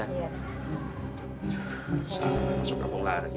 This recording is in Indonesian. masukkan bung lara